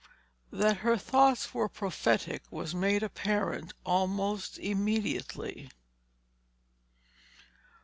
That her thoughts were prophetic was made apparent almost immediately.